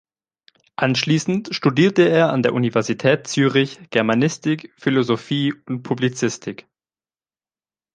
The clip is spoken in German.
Anschliessend studierte er an der Universität Zürich Germanistik, Philosophie und Publizistik.